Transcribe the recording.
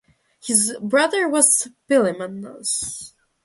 His brother was Pilumnus.